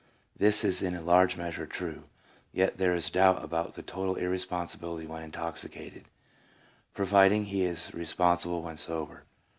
This is in a large measure true, yet there is doubt about the total irresponsibility when intoxicated, providing he is responsible when sober.